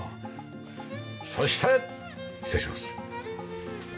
そして失礼します。